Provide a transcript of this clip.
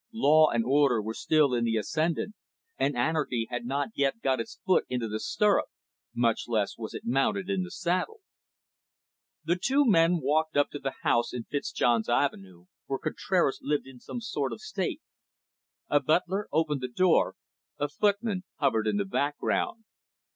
Law and order were still in the ascendant, and anarchy had not yet got its foot into the stirrup, much less was it mounted in the saddle. The two men walked up to the house in Fitzjohn's Avenue, where Contraras lived in some sort of state. A butler opened the door, a footman hovered in the background.